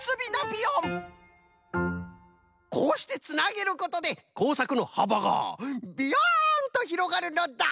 こうしてつなげることでこうさくのはばがビヨンとひろがるのだ！